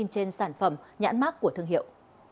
trên sản phẩm nhãn mác của thương hiệu